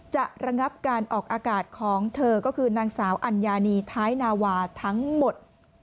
ระงับการออกอากาศของเธอก็คือนางสาวอัญญานีท้ายนาวาทั้งหมด